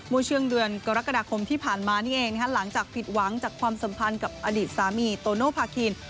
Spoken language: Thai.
เมื่อช่วงเดือนกรกฎาคมที่ผ่านมานี่เองหลังจากผิดหวังจากความสัมพันธ์กับอดีตสามีโตโนภาคิน